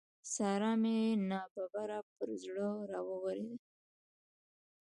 سارا مې ناببره پر زړه را واورېده.